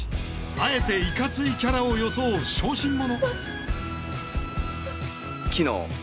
あえていかついキャラを装う小心者。